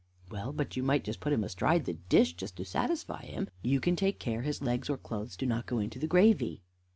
"Well, but you might just put him astride the dish, just to satisfy him. You can take care his legs or clothes do not go into the gravy."